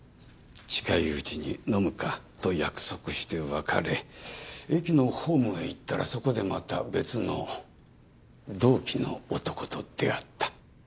近いうちに飲むかと約束して別れ駅のホームへ行ったらそこでまた別の同期の男と出会った。